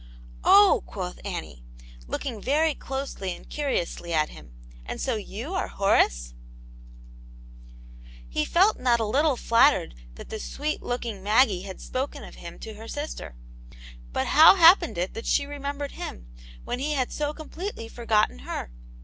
" Oh !'' quoth Annie, looking very closely and curiously at him, " and so you are Horace ?*' He felt not a little flattered that this sweet look ing Maggie had spoken of him to her sister ; but how happened it that she remembered him, when he had so completely forgotten her